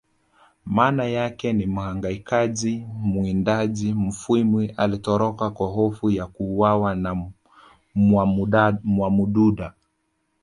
maana yake ni mhangaikaji mwindaji Mufwimi alitoroka kwa hofu ya kuuawa na mwamududa